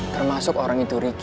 termasuk orang itu ricky